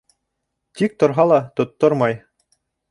Тик торһа ла, тоттормай.